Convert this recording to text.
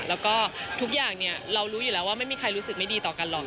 แล้วก็ทุกอย่างเรารู้อยู่แล้วว่าไม่มีใครรู้สึกไม่ดีต่อกันหรอก